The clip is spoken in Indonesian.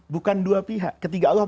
bukan dua pihak ketiga allah